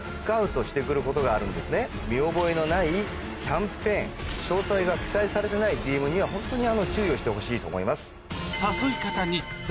見覚えのないキャンペーン詳細が記載されてないＤＭにはホントに注意をしてほしいと思います。